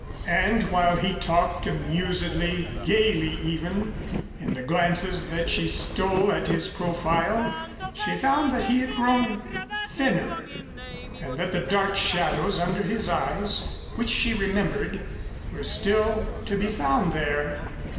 And while he talked amusedly, gayly even, in the glances that she stole at his profile, she found that he had grown thinner, and that the dark shadows under his eyes, which she remembered, were still to be found there.